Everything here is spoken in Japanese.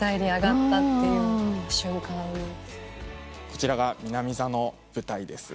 こちらが南座の舞台です。